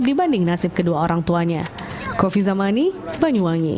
dibanding nasib kedua orang tuanya